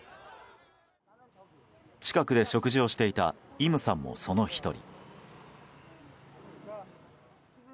近くで食事をしていたイムさんもその１人。